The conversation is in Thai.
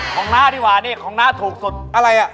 น้าดีกว่านี่ของน้าถูกสุดอะไรอ่ะ